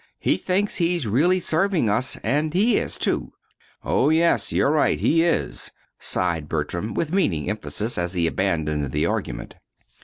He thinks he's really serving us and he is, too." "Oh, yes, you're right, he is!" sighed Bertram, with meaning emphasis, as he abandoned the argument.